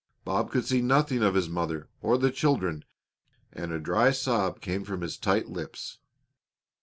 Bob could see nothing of his mother or the children, and a dry sob came from his tight lips.